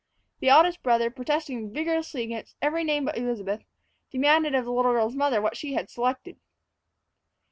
The eldest brother, protesting vigorously against every name but Elizabeth, demanded of the little girl's mother what she had selected.